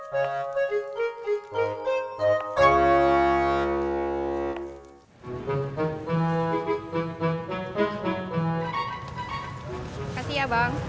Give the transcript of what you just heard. terima kasih bang